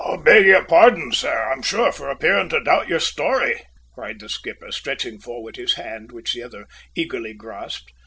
"I beg your pardon, sir, I'm sure, for appearing to doubt your story," cried the skipper, stretching forward his hand, which the other eagerly grasped.